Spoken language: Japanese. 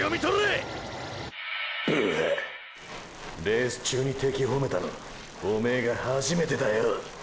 レース中に敵ほめたのおめェが初めてだよ！！